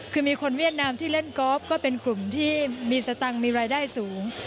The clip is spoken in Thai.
คือมีคนเวียดนามที่เล่นกอล์ฟก็เป็นกลุ่มที่มีสตังค์มีรายได้สูง